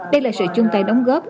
đây là sự chung tay đóng góp